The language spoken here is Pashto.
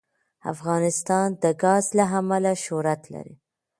افغانستان د ګاز له امله شهرت لري.